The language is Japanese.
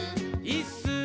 いっすー！」